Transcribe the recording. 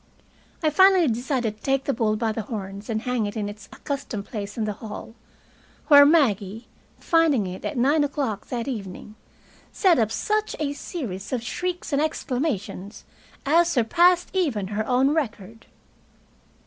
I finally decided to take the bull by the horns and hang it in its accustomed place in the hall, where Maggie, finding it at nine o'clock that evening, set up such a series of shrieks and exclamations as surpassed even her own record.